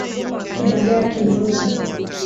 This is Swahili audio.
Kidagaa kimeoza.